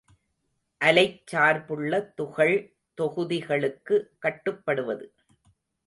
அலைச் சார்புள்ள துகள் தொகுதிகளுக்கு கட்டுப்படுவது.